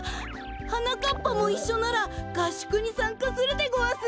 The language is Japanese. はなかっぱもいっしょならがっしゅくにさんかするでごわす。